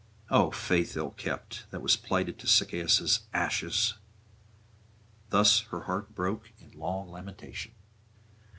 O faith ill kept, that was plighted to Sychaeus' ashes!' Thus her heart broke in long lamentation.